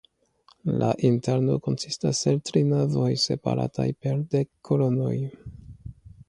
La interno konsistas el tri navoj separataj per dek kolonoj.